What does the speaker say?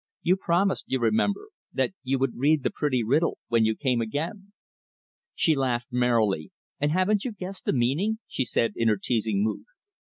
You promised you remember that you would read the pretty riddle, when you came again." She laughed merrily. "And haven't you guessed the meaning?" she said in her teasing mood.